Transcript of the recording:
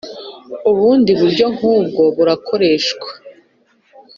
ubundi buryo nk ubwo burakoreshwa